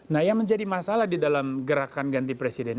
nah yang menjadi masalah di dalam gerakan ganti presiden